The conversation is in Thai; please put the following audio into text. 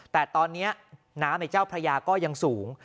แต่ตอนนี้น้ำในเจ้าพระยาก็ยังสูง